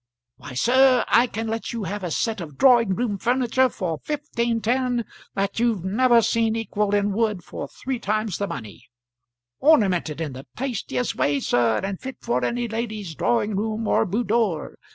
Why, sir, I can let you have a set of drawing room furniture for fifteen ten that you've never seen equalled in wood for three times the money; ornamented in the tastiest way, sir, and fit for any lady's drawing room or boodoor.